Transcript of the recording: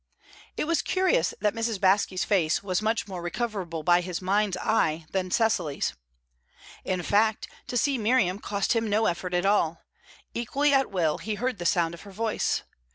It was curious that Mrs. Baske's face was much more recoverable by his mind's eye than Cecily's. In fact, to see Miriam cost him no effort at all; equally at will, he heard the sound of her voice.